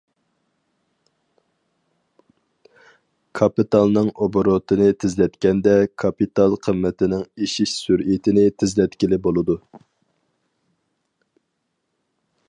كاپىتالنىڭ ئوبوروتىنى تېزلەتكەندە، كاپىتال قىممىتىنىڭ ئېشىش سۈرئىتىنى تېزلەتكىلى بولىدۇ.